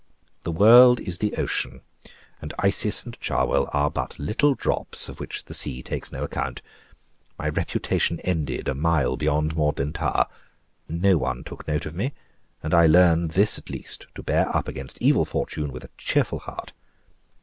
The world is the ocean, and Isis and Charwell are but little drops, of which the sea takes no account. My reputation ended a mile beyond Maudlin Tower; no one took note of me; and I learned this at least, to bear up against evil fortune with a cheerful heart.